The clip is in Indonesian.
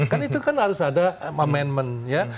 kan itu kan harus ada momentment ya